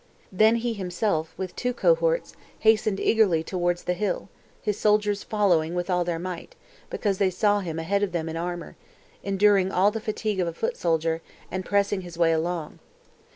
. Then he himself, with two cohorts, hastened eagerly towards the hill, his soldiers following with all their might, because they saw him ahead of them in armour, enduring all the fatigue of a foot soldier, and pressing his way along.